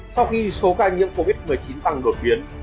sau khi số ca nhiễm covid một mươi chín tăng đột biến